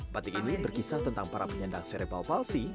batik ini berkisah tentang para penyandang serepal palsi